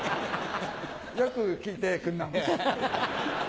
よく聞いてくんなまし。